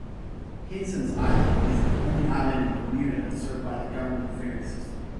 Hinson's Island is the only island in Bermuda served by the government ferry system.